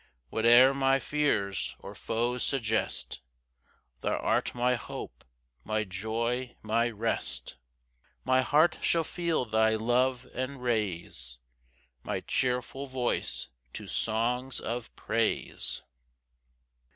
6 Whate'er my fears or foes suggest, Thou art my hope, my joy, my rest; My heart shall feel thy love, and raise My cheerful voice to songs of praise.